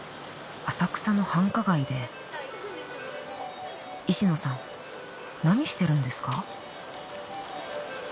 浅草の繁華街で石野さん何してるんですか？